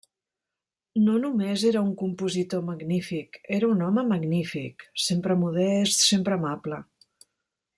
No només era un compositor magnífic, era un home magnífic, sempre modest, sempre amable.